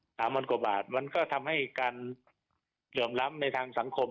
สามพันกว่าบาทมันก็ทำให้การเหลื่อมล้ำในทางสังคม